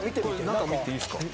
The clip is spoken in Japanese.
中見ていいんですか？